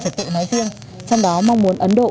trật tự nói riêng trong đó mong muốn ấn độ